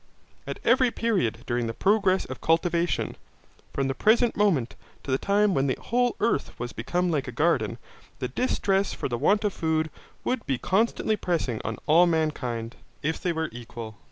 At every period during the progress of cultivation, from the present moment to the time when the whole earth was become like a garden, the distress for want of food would be constantly pressing on all mankind, if they were equal.